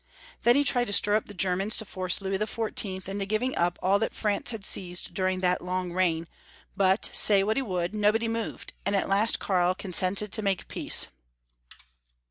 . Then he tried to stir up the Germans to force Louis XIV. into giving up all that France had seized during that long reign, but, say what he would, nobody moved, and at last Karl consented to make peace.